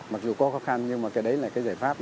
mặc dù có khó khăn nhưng mà cái đấy là cái giải pháp